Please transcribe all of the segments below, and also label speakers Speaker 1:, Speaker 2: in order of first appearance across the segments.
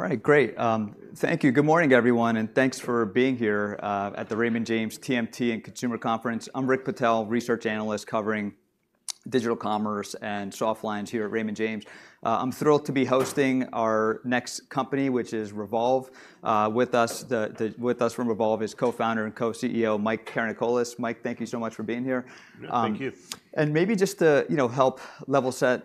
Speaker 1: All right, great. Thank you. Good morning, everyone, and thanks for being here at the Raymond James TMT and Consumer Conference. I'm Rick Patel, research analyst covering digital commerce and soft lines here at Raymond James. I'm thrilled to be hosting our next company, which is Revolve. With us from Revolve is co-founder and co-CEO, Mike Karanikolas. Mike, thank you so much for being here.
Speaker 2: Thank you.
Speaker 1: Maybe just to, you know, help level set,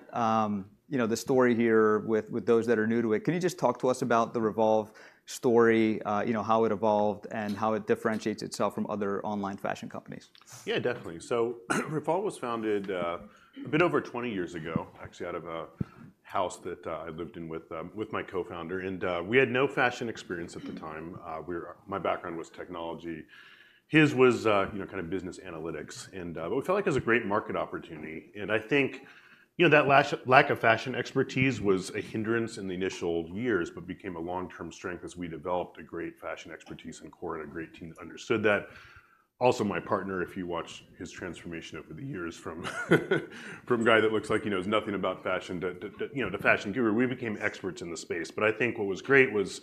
Speaker 1: you know, the story here with those that are new to it, can you just talk to us about the Revolve story, you know, how it evolved and how it differentiates itself from other online fashion companies?
Speaker 2: Yeah, definitely. So Revolve was founded a bit over 20 years ago, actually out of a house that I lived in with my co-founder, and we had no fashion experience at the time. My background was technology. His was, you know, kind of business analytics. But we felt like it was a great market opportunity, and I think, you know, that lack of fashion expertise was a hindrance in the initial years, but became a long-term strength as we developed a great fashion expertise and core and a great team that understood that. Also, my partner, if you watched his transformation over the years from a guy that looks like he knows nothing about fashion to, you know, to fashion guru. We became experts in the space, but I think what was great was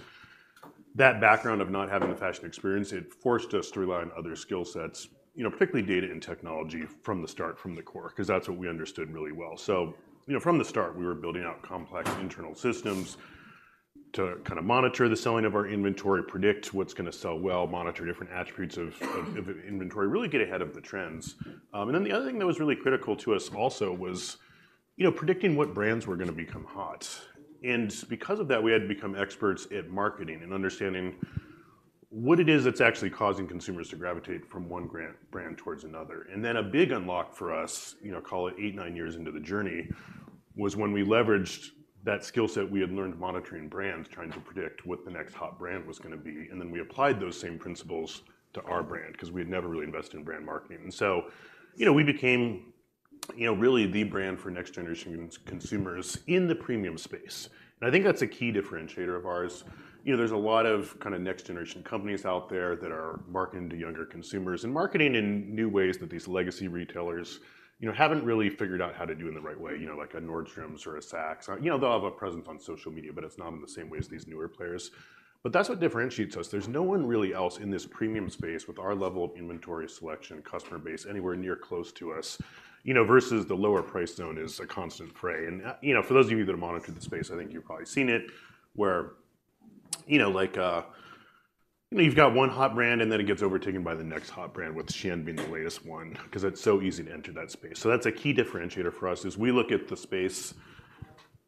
Speaker 2: that background of not having the fashion experience, it forced us to rely on other skill sets, you know, particularly data and technology from the start, from the core, 'cause that's what we understood really well. So, you know, from the start, we were building out complex internal systems to kind of monitor the selling of our inventory, predict what's going to sell well, monitor different attributes of inventory, really get ahead of the trends. And then the other thing that was really critical to us also was, you know, predicting what brands were going to become hot. And because of that, we had to become experts at marketing and understanding what it is that's actually causing consumers to gravitate from one brand towards another. And then a big unlock for us, you know, call it eight, nine years into the journey, was when we leveraged that skill set we had learned monitoring brands, trying to predict what the next hot brand was going to be, and then we applied those same principles to our brand, 'cause we had never really invested in brand marketing. And so, you know, we became, you know, really the brand for next-generation consumers in the premium space, and I think that's a key differentiator of ours. You know, there's a lot of kind of next-generation companies out there that are marketing to younger consumers and marketing in new ways that these legacy retailers, you know, haven't really figured out how to do in the right way, you know, like a Nordstrom or a Saks. You know, they'll have a presence on social media, but it's not in the same way as these newer players. But that's what differentiates us. There's no one really else in this premium space with our level of inventory selection, customer base, anywhere near close to us, you know, versus the lower price zone is a constant prey. And, you know, for those of you that have monitored the space, I think you've probably seen it, where, you know, like, you've got one hot brand, and then it gets overtaken by the next hot brand, with SHEIN being the latest one, 'cause it's so easy to enter that space. So that's a key differentiator for us, is we look at the space.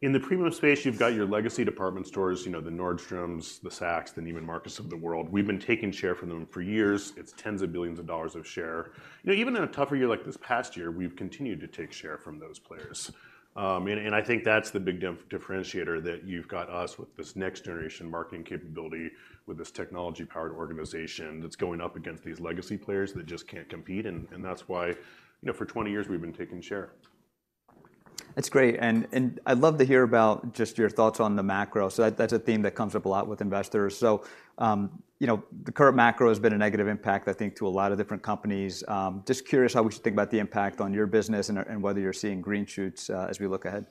Speaker 2: In the premium space, you've got your legacy department stores, you know, the Nordstroms, the Saks, the Neiman Marcus of the world. We've been taking share from them for years. It's tens of billions of dollars of share. You know, even in a tougher year like this past year, we've continued to take share from those players. And I think that's the big differentiator, that you've got us with this next-generation marketing capability, with this technology-powered organization that's going up against these legacy players that just can't compete, and that's why, you know, for 20 years, we've been taking share.
Speaker 1: That's great, and I'd love to hear about just your thoughts on the macro. So that's a theme that comes up a lot with investors. So, you know, the current macro has been a negative impact, I think, to a lot of different companies. Just curious how we should think about the impact on your business and whether you're seeing green shoots as we look ahead.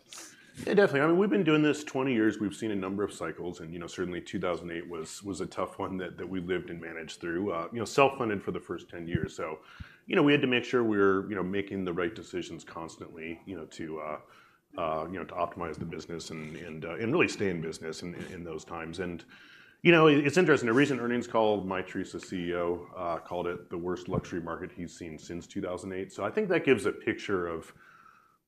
Speaker 2: Yeah, definitely. I mean, we've been doing this 20 years. We've seen a number of cycles, and, you know, certainly 2008 was, was a tough one that, that we lived and managed through. You know, self-funded for the first 10 years, so, you know, we had to make sure we were, you know, making the right decisions constantly, you know, to, you know, to optimize the business and, and, and really stay in business in, in those times. And, you know, it's interesting, a recent earnings call, Mytheresa CEO, called it the worst luxury market he's seen since 2008. So I think that gives a picture of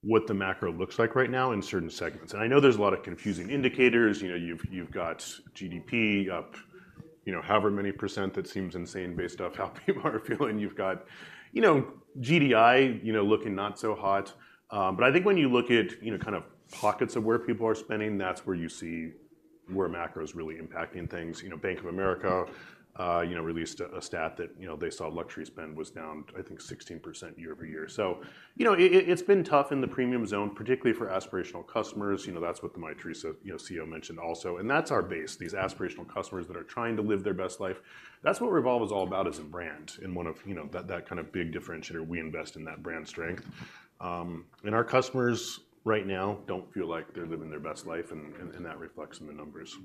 Speaker 2: what the macro looks like right now in certain segments. And I know there's a lot of confusing indicators. You know, you've got GDP up, you know, however many percent that seems insane based off how people are feeling. You've got, you know, GDI, you know, looking not so hot. But I think when you look at, you know, kind of pockets of where people are spending, that's where you see where macro is really impacting things. You know, Bank of America released a stat that, you know, they saw luxury spend was down, I think, 16% year-over-year. So, you know, it's been tough in the premium zone, particularly for aspirational customers. You know, that's what the Mytheresa, you know, CEO mentioned also, and that's our base, these aspirational customers that are trying to live their best life. That's what Revolve is all about as a brand, and one of, you know, that kind of big differentiator, we invest in that brand strength. And our customers right now don't feel like they're living their best life, and that reflects in the numbers.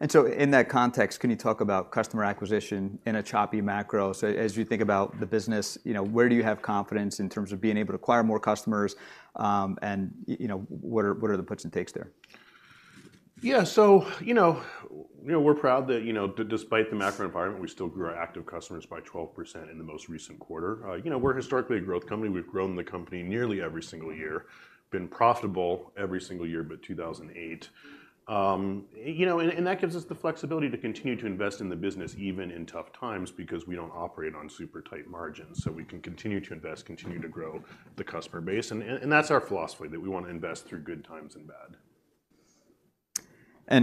Speaker 1: And so in that context, can you talk about customer acquisition in a choppy macro? So as you think about the business, you know, where do you have confidence in terms of being able to acquire more customers? And you know, what are, what are the puts and takes there?
Speaker 2: Yeah, so you know, you know, we're proud that, you know, despite the macro environment, we still grew our active customers by 12% in the most recent quarter. You know, we're historically a growth company. We've grown the company nearly every single year, been profitable every single year but 2008. You know, and, and that gives us the flexibility to continue to invest in the business, even in tough times, because we don't operate on super tight margins, so we can continue to invest, continue to grow the customer base, and, and that's our philosophy, that we want to invest through good times and bad.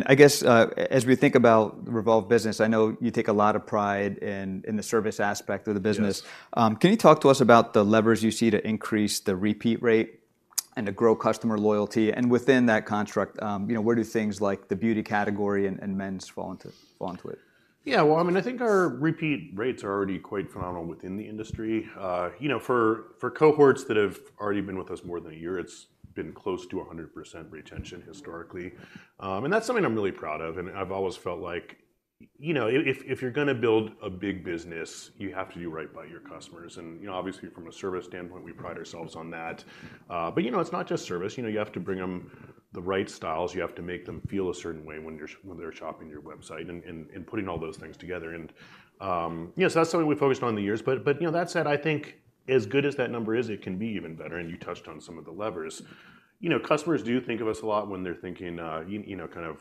Speaker 1: I guess, as we think about Revolve business, I know you take a lot of pride in, in the service aspect of the business.
Speaker 2: Yes.
Speaker 1: Can you talk to us about the levers you see to increase the repeat rate and to grow customer loyalty, and within that construct, you know, where do things like the beauty category and men's fall into it?
Speaker 2: Yeah, well, I mean, I think our repeat rates are already quite phenomenal within the industry. You know, for cohorts that have already been with us more than a year, it's been close to 100% retention historically. And that's something I'm really proud of, and I've always felt like—you know, if you're going to build a big business, you have to do right by your customers. And, you know, obviously, from a service standpoint, we pride ourselves on that. But, you know, it's not just service. You know, you have to bring them the right styles. You have to make them feel a certain way when they're shopping your website and putting all those things together. And, yeah, so that's something we've focused on over the years. But, you know, that said, I think as good as that number is, it can be even better, and you touched on some of the levers. You know, customers do think of us a lot when they're thinking, you know, kind of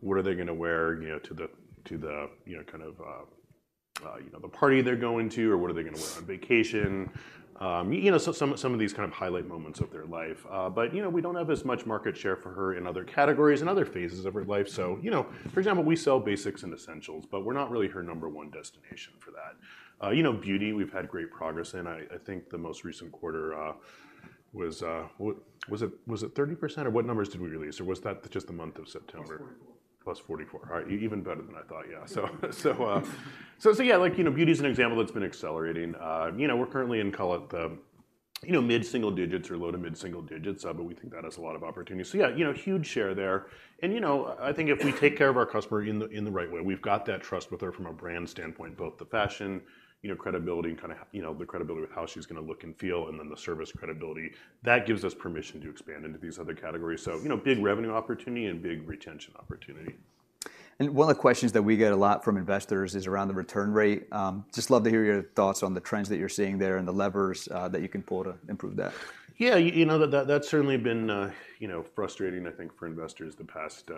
Speaker 2: what are they going towear, you know, to the party they're going to, or what are they going to wear on vacation? You know, so some of these kind of highlight moments of their life. But, you know, we don't have as much market share for her in other categories and other phases of her life. So, you know, for example, we sell basics and essentials, but we're not really her number one destination for that. You know, beauty, we've had great progress, and I think the most recent quarter, was it 30%, or what numbers did we release, or was that just the month of September?
Speaker 1: Plus forty-four.
Speaker 2: +44. All right, even better than I thought. Yeah. So, yeah, like, you know, beauty is an example that's been accelerating. You know, we're currently in, call it, the, you know, mid-single digits or low to mid-single digits, but we think that has a lot of opportunity. So yeah, you know, huge share there. And, you know, I think if we take care of our customer in the right way, we've got that trust with her from a brand standpoint, both the fashion, you know, credibility and kind of, you know, the credibility with how she's going to look and feel, and then the service credibility. That gives us permission to expand into these other categories. So, you know, big revenue opportunity and big retention opportunity.
Speaker 1: One of the questions that we get a lot from investors is around the return rate. Just love to hear your thoughts on the trends that you're seeing there and the levers that you can pull to improve that.
Speaker 2: Yeah, you know, that, that's certainly been, you know, frustrating, I think, for investors the past,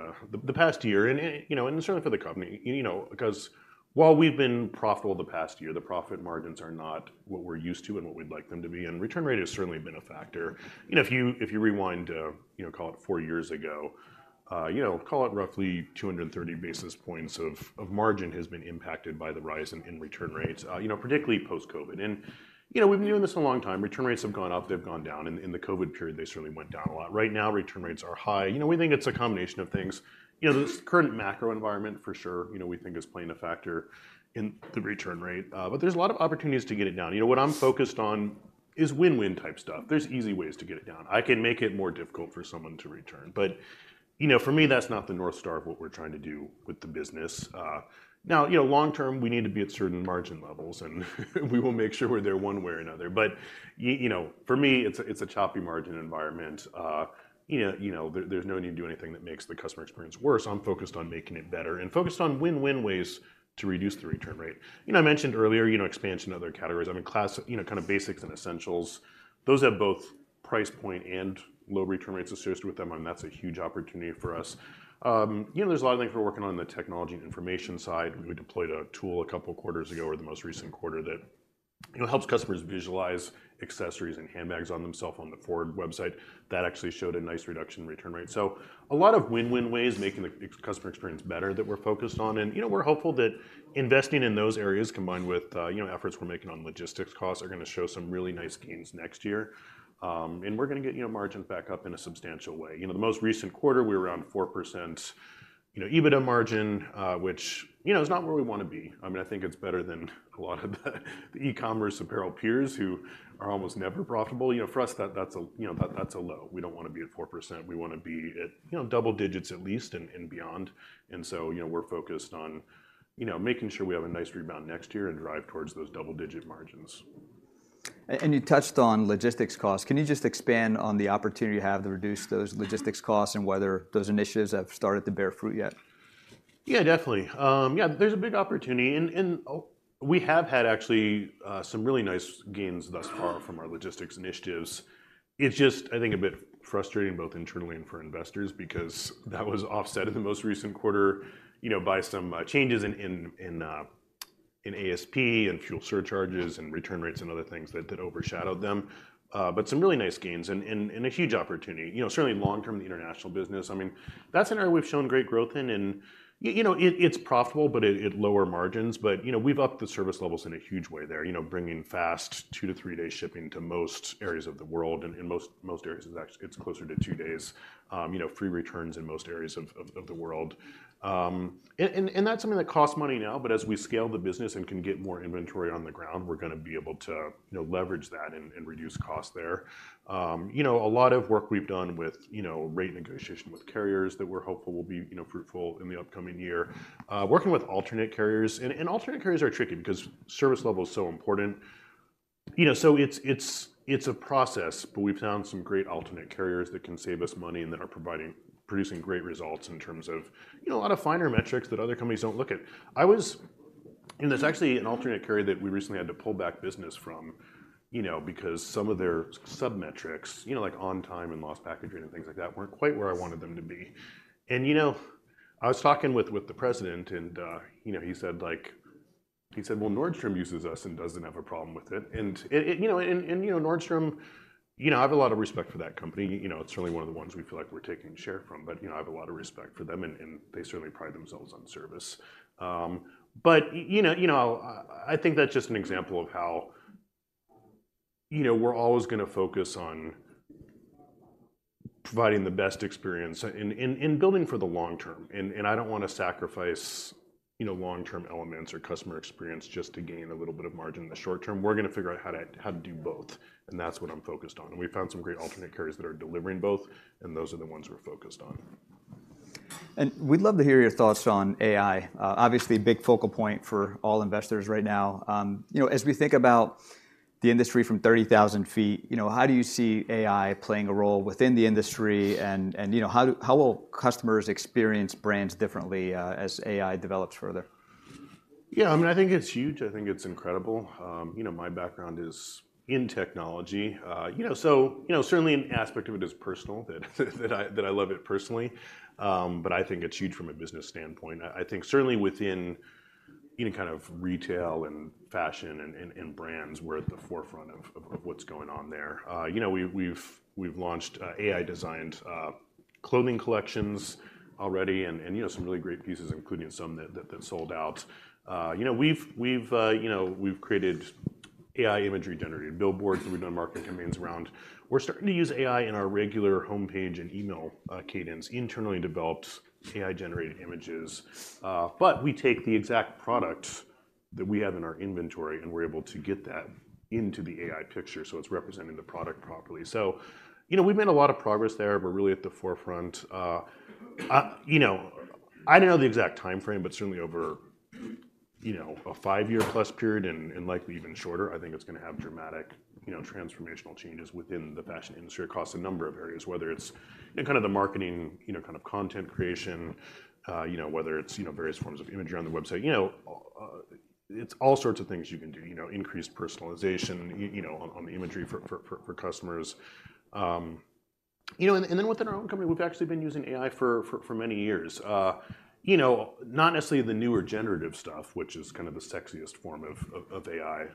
Speaker 2: the past year, and it- you know, and certainly for the company. You know, because while we've been profitable the past year, the profit margins are not what we're used to and what we'd like them to be, and return rate has certainly been a factor. You know, if you, if you rewind, you know, call it four years ago, you know, call it roughly 230 basis points of, of margin has been impacted by the rise in, in return rates, you know, particularly post-COVID. And, you know, we've been doing this a long time. Return rates have gone up, they've gone down. In, in the COVID period, they certainly went down a lot. Right now, return rates are high. You know, we think it's a combination of things. You know, this current macro environment, for sure, you know, we think is playing a factor in the return rate, but there's a lot of opportunities to get it down. You know, what I'm focused on is win-win type stuff. There's easy ways to get it down. I can make it more difficult for someone to return, but, you know, for me, that's not the North Star of what we're trying to do with the business. Now, you know, long term, we need to be at certain margin levels, and we will make sure we're there one way or another. But you know, for me, it's a choppy margin environment. You know, you know, there's no need to do anything that makes the customer experience worse. I'm focused on making it better and focused on win-win ways to reduce the return rate. You know, I mentioned earlier, you know, expansion of other categories. I mean, you know, kind of basics and essentials, those have both price point and low return rates associated with them, and that's a huge opportunity for us. You know, there's a lot of things we're working on the technology information side. We deployed a tool a couple quarters ago, or the most recent quarter, that, you know, helps customers visualize accessories and handbags on themselves on the FWRD website. That actually showed a nice reduction in return rate. So a lot of win-win ways, making the customer experience better that we're focused on. You know, we're hopeful that investing in those areas, combined with, you know, efforts we're making on logistics costs, are going to show some really nice gains next year. And we're going to get, you know, margins back up in a substantial way. You know, the most recent quarter, we were around 4%. You know, EBITDA margin, which, you know, is not where we want to be. I mean, I think it's better than a lot of the e-commerce apparel peers, who are almost never profitable. You know, for us, that's a, you know, that's a low. We don't wanna be at 4%. We wanna be at, you know, double digits at least and beyond. So, you know, we're focused on, you know, making sure we have a nice rebound next year and drive towards those double-digit margins.
Speaker 1: You touched on logistics costs. Can you just expand on the opportunity you have to reduce those logistics costs and whether those initiatives have started to bear fruit yet?
Speaker 2: Yeah, definitely. Yeah, there's a big opportunity, and we have had actually some really nice gains thus far from our logistics initiatives. It's just, I think, a bit frustrating, both internally and for investors, because that was offset in the most recent quarter, you know, by some changes in ASP and fuel surcharges and return rates and other things that overshadowed them. But some really nice gains and a huge opportunity. You know, certainly long-term, the international business, I mean, that's an area we've shown great growth in and you know, it's profitable, but at lower margins. But, you know, we've upped the service levels in a huge way there. You know, bringing fast two to three day shipping to most areas of the world, and in most areas, it actually gets closer to two days. You know, free returns in most areas of the world. And that's something that costs money now, but as we scale the business and can get more inventory on the ground, we're going to be able to, you know, leverage that and reduce costs there. You know, a lot of work we've done with, you know, rate negotiation with carriers that we're hopeful will be, you know, fruitful in the upcoming year. Working with alternate carriers, and alternate carriers are tricky because service level is so important. You know, so it's, it's, it's a process, but we've found some great alternate carriers that can save us money and that are producing great results in terms of, you know, a lot of finer metrics that other companies don't look at. And there's actually an alternate carrier that we recently had to pull back business from, you know, because some of their submetrics, you know, like on time and lost packaging and things like that, weren't quite where I wanted them to be. And, you know, I was talking with, with the president and, you know, he said, like... he said, "Well, Nordstrom uses us and doesn't have a problem with it." And it, it, you know, and, and, you know, Nordstrom, you know, I have a lot of respect for that company. You know, it's really one of the ones we feel like we're taking share from. But, you know, I have a lot of respect for them, and they certainly pride themselves on service. But you know, you know, I think that's just an example of how, you know, we're always going to focus on providing the best experience and building for the long term. And I don't wanna sacrifice, you know, long-term elements or customer experience just to gain a little bit of margin in the short term. We're going to figure out how to do both, and that's what I'm focused on. And we've found some great alternate carriers that are delivering both, and those are the ones we're focused on....
Speaker 1: And we'd love to hear your thoughts on AI. Obviously, a big focal point for all investors right now. You know, as we think about the industry from thirty thousand feet, you know, how do you see AI playing a role within the industry, and you know, how will customers experience brands differently as AI develops further?
Speaker 2: Yeah, I mean, I think it's huge. I think it's incredible. You know, my background is in technology. You know, so, you know, certainly an aspect of it is personal, that that I, that I love it personally. But I think it's huge from a business standpoint. I, I think certainly within any kind of retail, and fashion, and, and, and brands, we're at the forefront of, of, of what's going on there. You know, we've, we've, we've launched, AI-designed, clothing collections already, and, and, you know, some really great pieces, including some that, that, that sold out. You know, we've, we've, you know, we've created AI imagery-generated billboards, we've done marketing campaigns around... We're starting to use AI in our regular homepage and email, cadence, internally developed AI-generated images. But we take the exact product that we have in our inventory, and we're able to get that into the AI picture, so it's representing the product properly. So, you know, we've made a lot of progress there, but really at the forefront. You know, I don't know the exact timeframe, but certainly over, you know, a five year-plus period, and likely even shorter, I think it's going to have dramatic, you know, transformational changes within the fashion industry across a number of areas, whether it's in kind of the marketing, you know, kind of content creation, you know, whether it's, you know, various forms of imagery on the website. You know, it's all sorts of things you can do, you know, increased personalization, you know, on, on the imagery for customers. You know, and then within our own company, we've actually been using AI for many years. You know, not necessarily the newer generative stuff, which is kind of the sexiest form of AI.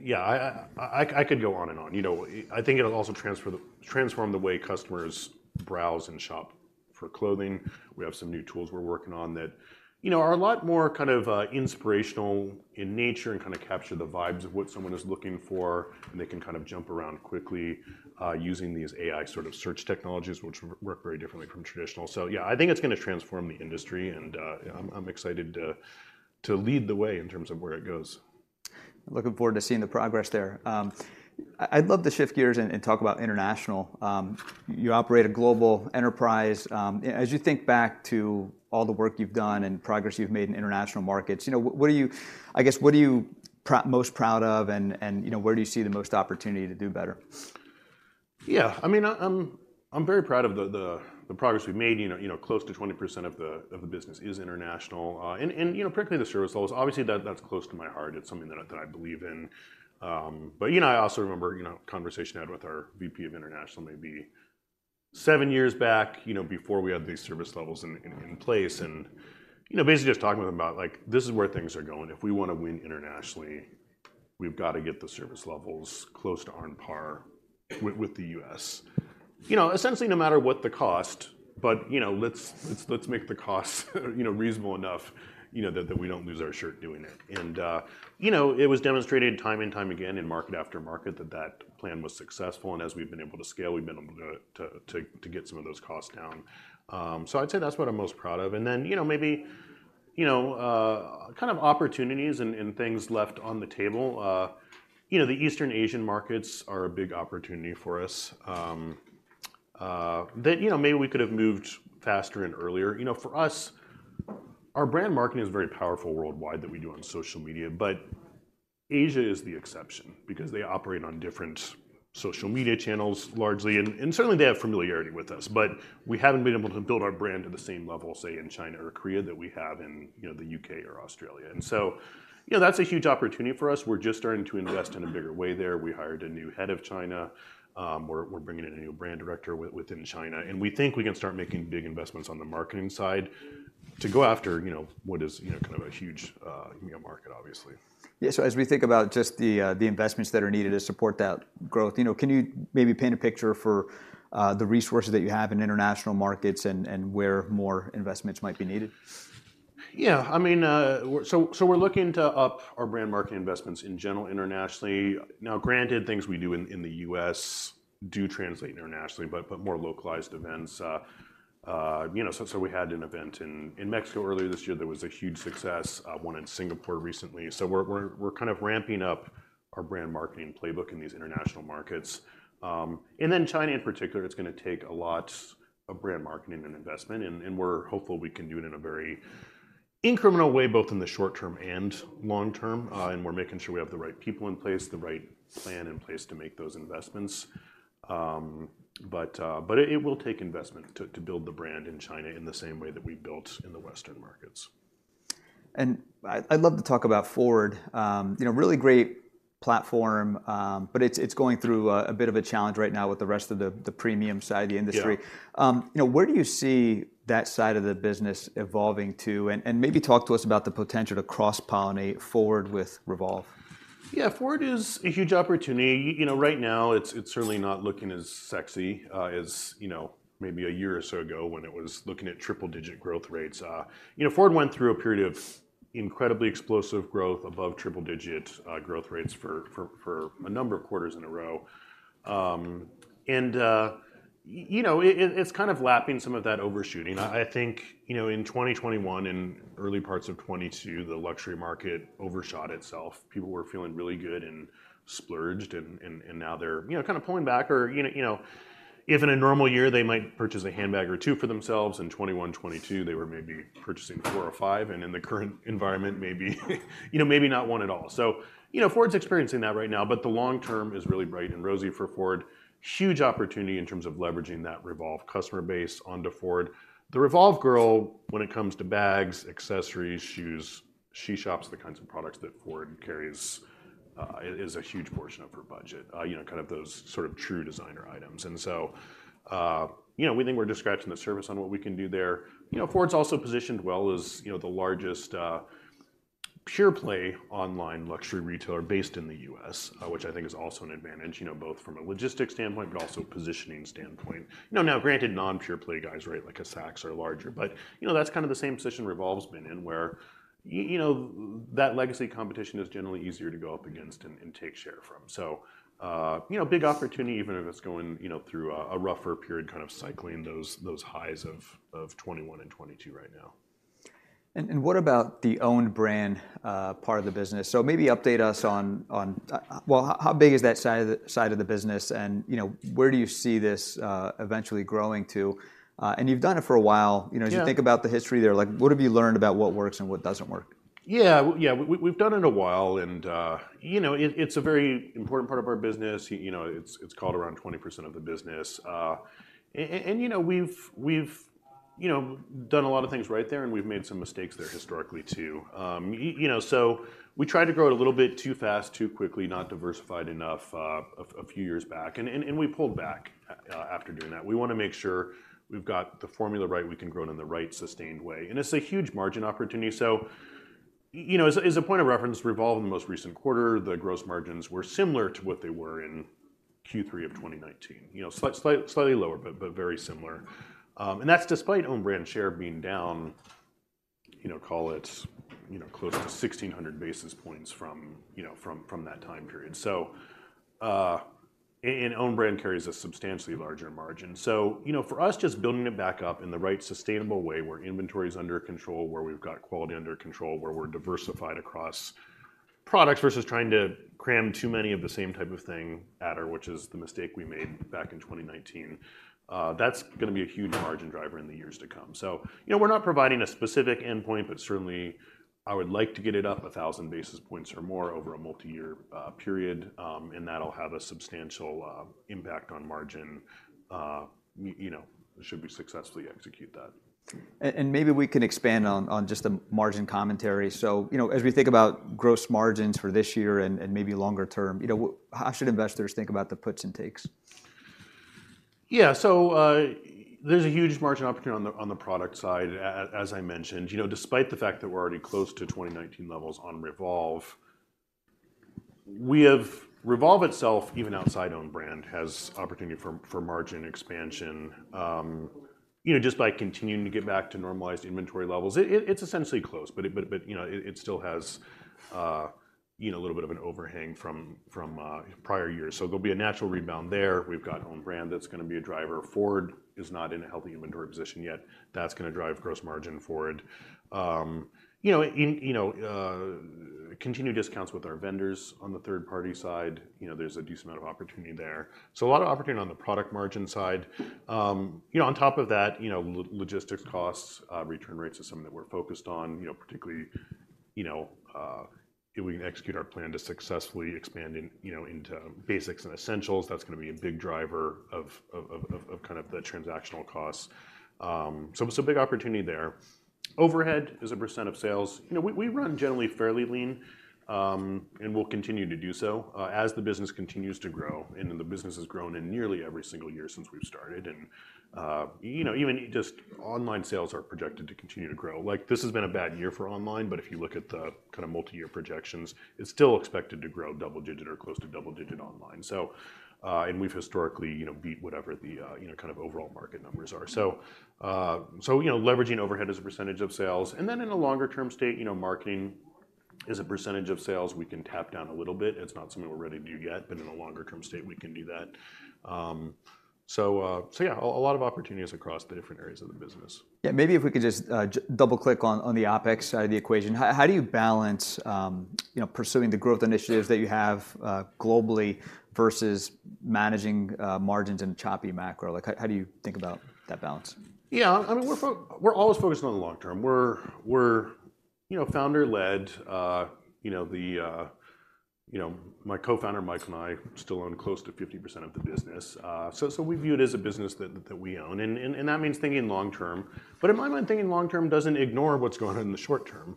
Speaker 2: Yeah, I could go on and on. You know, I think it'll also transform the way customers browse and shop for clothing. We have some new tools we're working on that, you know, are a lot more kind of inspirational in nature and kind of capture the vibes of what someone is looking for, and they can kind of jump around quickly using these AI sort of search technologies, which work very differently from traditional. So yeah, I think it's going to transform the industry, and I'm excited to lead the way in terms of where it goes.
Speaker 1: Looking forward to seeing the progress there. I'd love to shift gears and talk about international. You operate a global enterprise. As you think back to all the work you've done and progress you've made in international markets, you know, what are you—I guess, what are you most proud of and, you know, where do you see the most opportunity to do better?
Speaker 2: Yeah, I mean, I'm very proud of the progress we've made. You know, close to 20% of the business is international. And, you know, particularly the service levels, obviously, that's close to my heart. It's something that I believe in. But, you know, I also remember, you know, a conversation I had with our VP of International, maybe seven years back, you know, before we had these service levels in place, and, you know, basically just talking with him about, like, this is where things are going. If we want to win internationally, we've got to get the service levels close to on par with the U.S. You know, essentially, no matter what the cost, but, you know, let's make the costs, you know, reasonable enough, you know, that we don't lose our shirt doing it. And, you know, it was demonstrated time and time again in market after market that that plan was successful, and as we've been able to scale, we've been able to to get some of those costs down. So I'd say that's what I'm most proud of. And then, you know, maybe, you know, kind of opportunities and things left on the table, you know, the Eastern Asian markets are a big opportunity for us. That, you know, maybe we could have moved faster and earlier. You know, for us, our brand marketing is very powerful worldwide that we do on social media, but Asia is the exception because they operate on different social media channels, largely, and certainly they have familiarity with us. But we haven't been able to build our brand to the same level, say, in China or Korea, that we have in, you know, the UK or Australia. And so, you know, that's a huge opportunity for us. We're just starting to invest in a bigger way there. We hired a new head of China. We're bringing in a new brand director within China, and we think we can start making big investments on the marketing side to go after, you know, what is, you know, kind of a huge market, obviously.
Speaker 1: Yeah, so as we think about just the investments that are needed to support that growth, you know, can you maybe paint a picture for the resources that you have in international markets and where more investments might be needed?
Speaker 2: Yeah, I mean, so we're looking to up our brand marketing investments in general internationally. Now, granted, things we do in the U.S. do translate internationally, but more localized events. You know, so we had an event in Mexico earlier this year that was a huge success, one in Singapore recently. So we're kind of ramping up our brand marketing playbook in these international markets. And then China in particular, it's going to take a lot of brand marketing and investment, and we're hopeful we can do it in a very incremental way, both in the short term and long term. And we're making sure we have the right people in place, the right plan in place to make those investments. But it will take investment to build the brand in China in the same way that we built in the Western markets.
Speaker 1: I'd love to talk about FWRD. You know, really great platform, but it's going through a bit of a challenge right now with the rest of the premium side of the industry.
Speaker 2: Yeah.
Speaker 1: You know, where do you see that side of the business evolving to? And maybe talk to us about the potential to cross-pollinate FWRD with Revolve.
Speaker 2: Yeah, FWRD is a huge opportunity. You know, right now, it's certainly not looking as sexy, as you know, maybe a year or so ago, when it was looking at triple-digit growth rates. You know, FWRD went through a period of incredibly explosive growth above triple-digit growth rates for a number of quarters in a row. And you know, it, it's kind of lapping some of that overshooting. I think, you know, in 2021 and early parts of 2022, the luxury market overshot itself. People were feeling really good and splurged and, and now they're, you know, kind of pulling back or, you know. If in a normal year, they might purchase a handbag or two for themselves, in 2021, 2022, they were maybe purchasing four or five, and in the current environment, maybe, you know, maybe not one at all. So, you know, FWRD's experiencing that right now, but the long term is really bright and rosy for FWRD. Huge opportunity in terms of leveraging that REVOLVE customer base onto FWRD. The REVOLVE girl, when it comes to bags, accessories, shoes, she shops the kinds of products that FWRD carries, is a huge portion of her budget, you know, kind of those sort of true designer items. And so, you know, we think we're just scratching the surface on what we can do there. You know, FWRD's also positioned well as, you know, the largest, pure-play online luxury retailer based in the U.S., which I think is also an advantage, you know, both from a logistics standpoint, but also a positioning standpoint. Now, granted, non-pure-play guys, right, like a Saks or larger, but, you know, that's kind of the same position Revolve's been in, where you know, that legacy competition is generally easier to go up against and take share from. So, you know, big opportunity, even if it's going, you know, through a rougher period, kind of cycling those highs of 2021 and 2022 right now.
Speaker 1: And what about the Own Brand part of the business? So maybe update us on. Well, how big is that side of the business, and, you know, where do you see this eventually growing to? And you've done it for a while, you know-
Speaker 2: Yeah
Speaker 1: if you think about the history there, like, what have you learned about what works and what doesn't work?
Speaker 2: Yeah, yeah. We've done it a while, and, you know, it, it's a very important part of our business. You know, it's called around 20% of the business. And, you know, we've, you know, done a lot of things right there, and we've made some mistakes there historically, too. You know, so we tried to grow it a little bit too fast, too quickly, not diversified enough, a few years back, and we pulled back after doing that. We want to make sure we've got the formula right, we can grow it in the right, sustained way, and it's a huge margin opportunity. So, you know, as a point of reference, Revolve in the most recent quarter, the gross margins were similar to what they were in Q3 of 2019. You know, slightly lower, but very similar. And that's despite own brand share being down, you know, call it close to 1,600 basis points from that time period. And own brand carries a substantially larger margin. So, you know, for us, just building it back up in the right, sustainable way, where inventory's under control, where we've got quality under control, where we're diversified across products versus trying to cram too many of the same type of thing other, which is the mistake we made back in 2019, that's going to be a huge margin driver in the years to come. So, you know, we're not providing a specific endpoint, but certainly I would like to get it up 1,000 basis points or more over a multiyear period, and that'll have a substantial impact on margin, you know, should we successfully execute that.
Speaker 1: Maybe we can expand on just the margin commentary. So, you know, as we think about gross margins for this year and maybe longer term, you know, how should investors think about the puts and takes?
Speaker 2: Yeah, so, there's a huge margin opportunity on the, on the product side, as I mentioned. You know, despite the fact that we're already close to 2019 levels on REVOLVE, REVOLVE itself, even outside own brand, has opportunity for margin expansion, you know, just by continuing to get back to normalized inventory levels. It's essentially close, but you know, it still has, you know, a little bit of an overhang from prior years. So there'll be a natural rebound there. We've got own brand that's going to be a driver. FWRD is not in a healthy inventory position yet. That's going to drive gross margin forward. You know, continued discounts with our vendors on the third-party side, you know, there's a decent amount of opportunity there. So a lot of opportunity on the product margin side. You know, on top of that, you know, logistics costs, return rates are something that we're focused on, you know, particularly, you know, if we can execute our plan to successfully expand in, you know, into basics and essentials, that's going to be a big driver of kind of the transactional costs. So it's a big opportunity there. Overhead as a % of sales, you know, we run generally fairly lean, and we'll continue to do so, as the business continues to grow, and then the business has grown in nearly every single year since we've started. And, you know, even just online sales are projected to continue to grow. Like, this has been a bad year for online, but if you look at the kind of multiyear projections, it's still expected to grow double digit or close to double digit online. So, and we've historically, you know, beat whatever the, you know, kind of overall market numbers are. So, so, you know, leveraging overhead as a percentage of sales, and then in a longer term state, you know, marketing as a percentage of sales, we can tap down a little bit. It's not something we're ready to do yet, but in a longer term state, we can do that. So, so yeah, a lot of opportunities across the different areas of the business.
Speaker 1: Yeah, maybe if we could just double-click on the OpEx side of the equation. How do you balance, you know, pursuing the growth initiatives-
Speaker 2: Yeah
Speaker 1: that you have, globally, versus managing, margins in choppy macro? Like, how, how do you think about that balance?
Speaker 2: Yeah, I mean, we're always focused on the long term. We're, you know, founder-led. You know, my co-founder, Mike, and I still own close to 50% of the business. So, so we view it as a business that, that we own, and, and, and that means thinking long term. But in my mind, thinking long term doesn't ignore what's going on in the short term.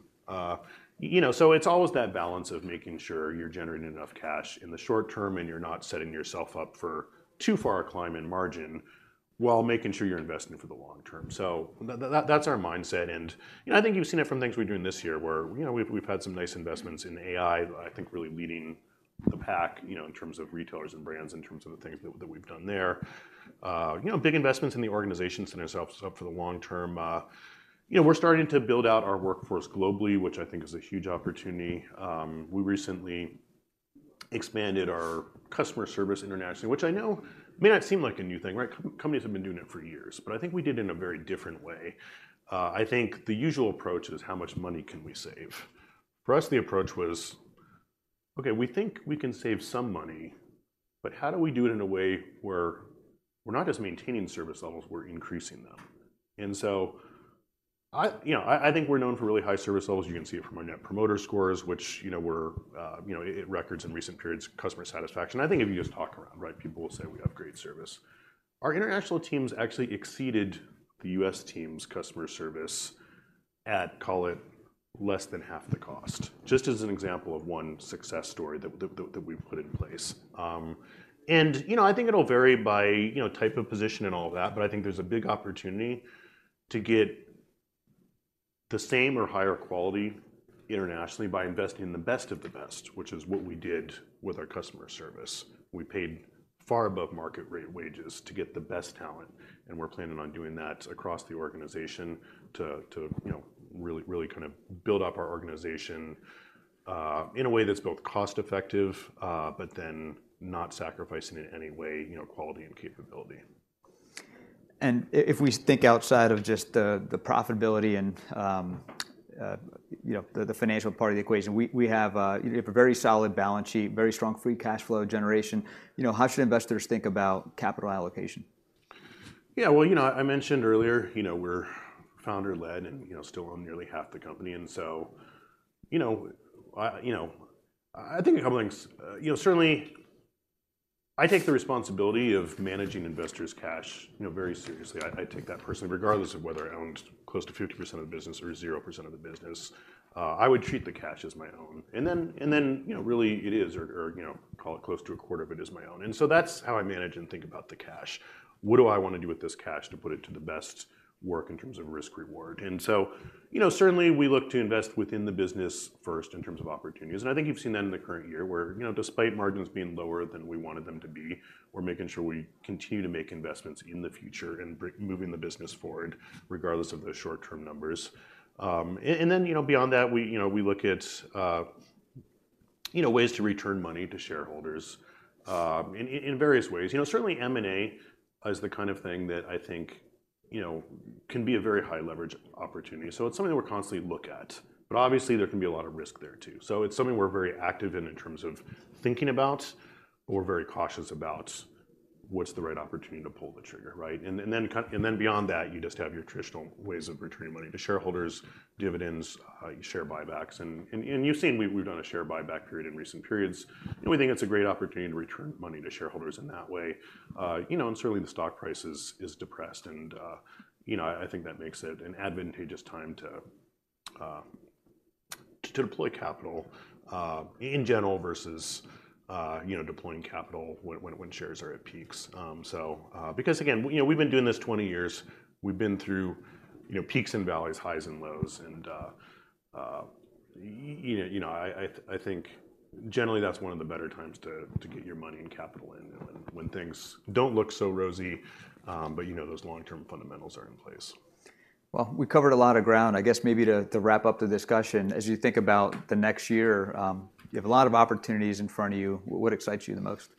Speaker 2: You know, so it's always that balance of making sure you're generating enough cash in the short term, and you're not setting yourself up for too far a climb in margin, while making sure you're investing for the long term. So that's our mindset, and, you know, I think you've seen it from things we're doing this year, where, you know, we've had some nice investments in AI, I think really leading the pack, you know, in terms of retailers and brands, in terms of the things that we've done there. You know, big investments in the organization centers up for the long term. You know, we're starting to build out our workforce globally, which I think is a huge opportunity. We recently expanded our customer service internationally, which I know may not seem like a new thing, right? Companies have been doing it for years, but I think we did it in a very different way. I think the usual approach is: How much money can we save? For us, the approach was-... Okay, we think we can save some money, but how do we do it in a way where we're not just maintaining service levels, we're increasing them? And so I, you know, I think we're known for really high service levels. You can see it from our Net Promoter Scores, which, you know, were, you know, records in recent periods, customer satisfaction. I think if you just talk around, right, people will say we have great service. Our international teams actually exceeded the U.S. team's customer service at, call it, less than half the cost, just as an example of one success story that we've put in place. You know, I think it'll vary by, you know, type of position and all of that, but I think there's a big opportunity to get the same or higher quality internationally by investing in the best of the best, which is what we did with our customer service. We paid far above market rate wages to get the best talent, and we're planning on doing that across the organization to, you know, really, really kind of build up our organization, in a way that's both cost-effective, but then not sacrificing in any way, you know, quality and capability.
Speaker 1: If we think outside of just the profitability and, you know, the financial part of the equation, you have a very solid balance sheet, very strong free cash flow generation. You know, how should investors think about capital allocation?
Speaker 2: Yeah, well, you know, I mentioned earlier, you know, we're founder-led and, you know, still own nearly half the company, and so, you know, I, you know, I think, you know, certainly I take the responsibility of managing investors' cash, you know, very seriously. I, I take that personally, regardless of whether I owned close to 50% of the business or 0% of the business, I would treat the cash as my own. And then, and then, you know, really it is, or, or, you know, call it close to a quarter of it is my own. And so that's how I manage and think about the cash. What do I want to do with this cash to put it to the best work in terms of risk reward? So, you know, certainly we look to invest within the business first in terms of opportunities, and I think you've seen that in the current year, where, you know, despite margins being lower than we wanted them to be, we're making sure we continue to make investments in the future and moving the business forward, regardless of the short-term numbers. And then, you know, beyond that, we, you know, we look at, you know, ways to return money to shareholders, in various ways. You know, certainly M&A is the kind of thing that I think, you know, can be a very high leverage opportunity. So it's something that we constantly look at, but obviously there can be a lot of risk there, too. So it's something we're very active in, in terms of thinking about, but we're very cautious about what's the right opportunity to pull the trigger, right? And then beyond that, you just have your traditional ways of returning money to shareholders, dividends, share buybacks, and you've seen we've done a share buyback period in recent periods, and we think it's a great opportunity to return money to shareholders in that way. You know, and certainly the stock price is depressed, and you know, I think that makes it an advantageous time to deploy capital in general versus you know, deploying capital when shares are at peaks. So because again, you know, we've been doing this 20 years. We've been through, you know, peaks and valleys, highs and lows, and, you know, you know, I think generally that's one of the better times to get your money and capital in, when things don't look so rosy, but you know those long-term fundamentals are in place.
Speaker 1: Well, we covered a lot of ground. I guess maybe to wrap up the discussion, as you think about the next year, you have a lot of opportunities in front of you. What excites you the most?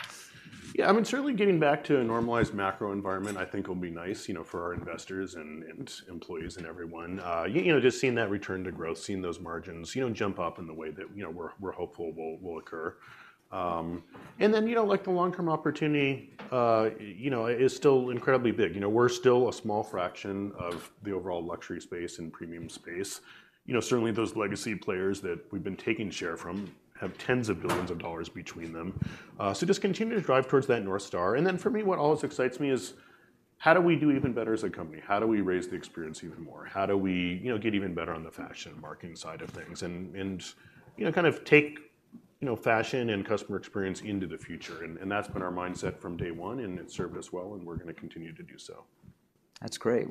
Speaker 2: Yeah, I mean, certainly getting back to a normalized macro environment I think will be nice, you know, for our investors and employees and everyone. You know, just seeing that return to growth, seeing those margins, you know, jump up in the way that, you know, we're hopeful will occur. And then, you know, like the long-term opportunity, you know, is still incredibly big. You know, we're still a small fraction of the overall luxury space and premium space. You know, certainly those legacy players that we've been taking share from have tens of billions of dollars between them. So just continue to drive towards that North Star. And then for me, what always excites me is: how do we do even better as a company? How do we raise the experience even more? How do we, you know, get even better on the fashion and marketing side of things, and you know, kind of take, you know, fashion and customer experience into the future? And that's been our mindset from day one, and it's served us well, and we're going to continue to do so.
Speaker 1: That's great. Well-